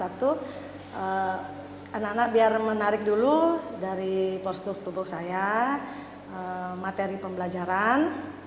anak anak biar menarik dulu dari postur tubuh saya materi pembelajaran